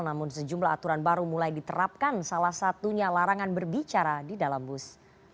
namun sejumlah aturan baru mulai diterapkan salah satunya larangan berbicara di dalam bus